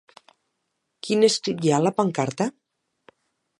Quin escrit hi ha a la pancarta?